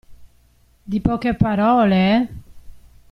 Di poche parole, eh!